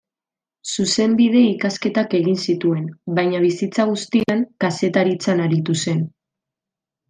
Zuzenbide ikasketak egin zituen, baina bizitza guztian kazetaritzan aritu zen.